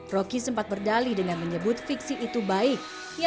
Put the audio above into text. rocky sempat berdali dengan menyebut fiksi itu baik